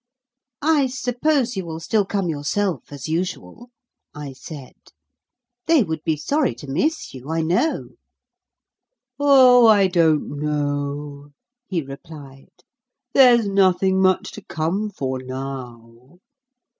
"I suppose you will still come yourself, as usual?" I said. "They would be sorry to miss you, I know." "Oh, I don't know," he replied; "there's nothing much to come for now.